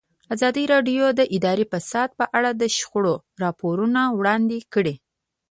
ازادي راډیو د اداري فساد په اړه د شخړو راپورونه وړاندې کړي.